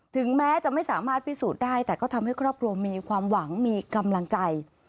ถึงแม้จะไม่สามารถพิสูจน์ได้แต่ก็ทำให้ครอบครัวมีความหวังมีกำลังใจ